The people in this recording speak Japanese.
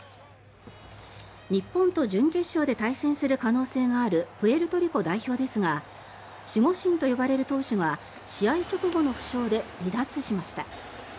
日本と準決勝で対戦する可能性があるプエルトリコ代表ですが守護神と呼ばれる投手が試合直後の負傷で離脱しました。